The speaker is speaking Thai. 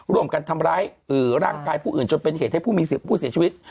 ร่วมกันทำร้ายร่างกายผู้อื่นจนเป็นเหตุให้ผู้มีผู้เสียชีวิต